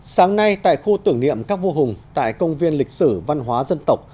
sáng nay tại khu tưởng niệm các vua hùng tại công viên lịch sử văn hóa dân tộc